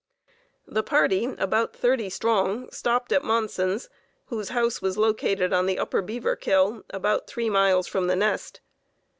The party, about thirty strong, stopped at Monson's, whose house was located on the upper Beaverkill, about three miles from the nest.